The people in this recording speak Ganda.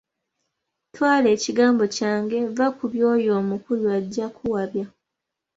Twala kigambo kyange vva ku by'oyo omukulu ajja kuwabya.